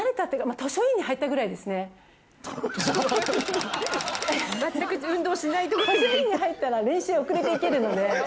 図書委員に入ったら練習遅れて行けるので。